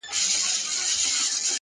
طبیعت د انسانانو نه بدلیږي--!